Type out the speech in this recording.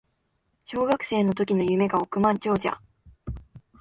小学生の時の夢が億万長者